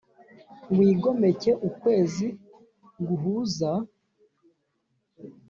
'wigomeke ukwezi guhuza